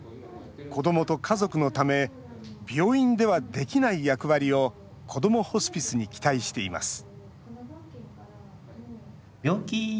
子どもと家族のため病院ではできない役割をこどもホスピスに期待しています